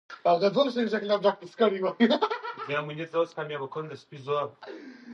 ماتې خوړل کېږي.